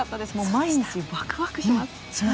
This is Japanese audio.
毎日ワクワクします。